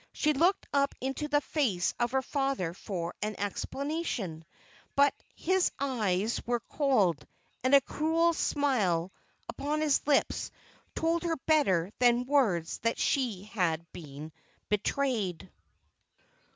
She looked up into the face of her father for an explanation; but his eyes were cold, and a cruel smile upon his lips told her better than words that she had been betrayed.